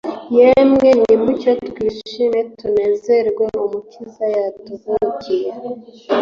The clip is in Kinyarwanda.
Yemwe nimucyo twishime tunezerwe Umukiza yatuvukiye